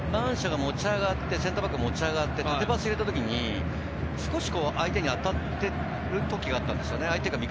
センターバックが持ち上がって、縦パスを入れたときに、少し相手に当たってるときがあったんですよ。